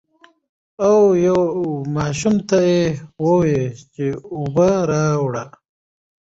او يو ماشوم ته يې ووې چې اوبۀ راوړه ـ